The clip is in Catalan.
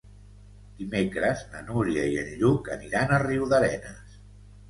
Dimecres na Núria i en Lluc aniran a Riudarenes.